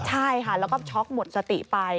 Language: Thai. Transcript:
ใช่ค่ะแล้วก็ช็อกหมดสติไป